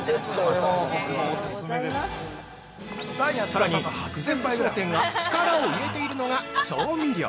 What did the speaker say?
◆さらに、久世福商店が力を入れているのが調味料。